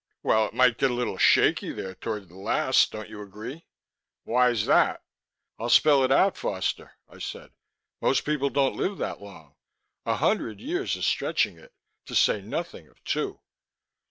"Well, it might get a little shaky there toward the last, don't you agree?" "Why is that?" "I'll spell it out, Foster," I said. "Most people don't live that long. A hundred years is stretching it, to say nothing of two."